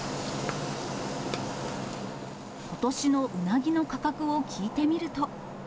ことしのうなぎの価格を聞いてみると。